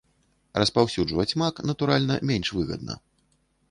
Распаўсюджваць мак, натуральна, менш выгадна.